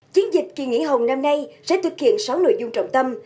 chiến dịch kiện hải hồng năm nay sẽ thực hiện sáu nội dung trọng tâm